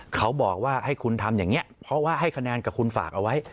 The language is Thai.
เขาบอกว่าให้คุณทำอย่างนี้เพราะว่าให้คะแนนกับคุณฝากเอาไว้